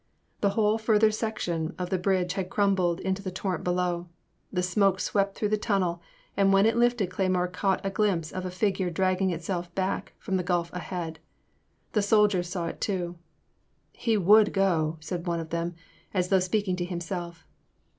The whole further section of the bridge had crumbled into the torrent below. The smoke swept through the tunnel, and when it lifted Cleymore caught a glimpse of a figure dragging itself back fix>m the gulf ahead. The soldiers saw it too. '' He would go," said one of them, as though speaking to himself.